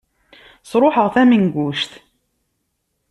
Sruḥeɣ tamenguct.